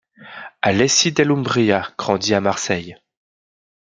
Alèssi Dell'Umbria grandit à Marseille.